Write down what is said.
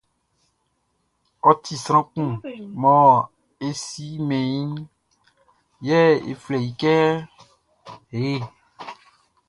Ɔ ti sran kun mɔ e simɛn iʼn, yɛ e flɛ i kɛ hey.